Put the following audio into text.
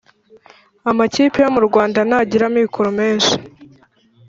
Amakipe yo murwanda ntagira amikoro menshi